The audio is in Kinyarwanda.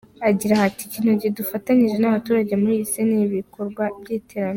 Agira ati “Ikintu dufatanyije n’abaturage muri iyi minsi ni ibikorwa by’iterambere.